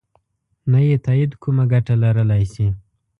نه یې تایید کومه ګټه لرلای شي.